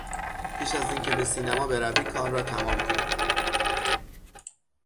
پیش از اینکه به سینما بروی کار را تمام کن.